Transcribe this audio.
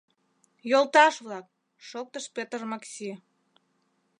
— Йолташ-влак, — шоктыш Петр Макси.